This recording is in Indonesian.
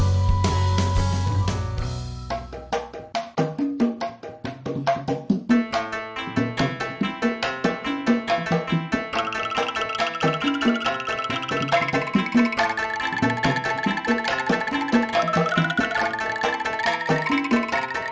sekarang akan langsung yang ngurus pasar